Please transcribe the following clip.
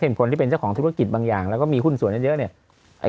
คนที่เป็นเจ้าของธุรกิจบางอย่างแล้วก็มีหุ้นส่วนเยอะเนี่ย